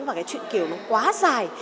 và cái chuyện kiều nó quá dài